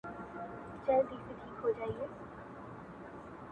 • او پرې را اوري يې جانـــــانــــــه دوړي ـ